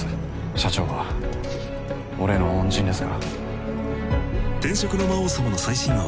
社長は俺の恩人ですから。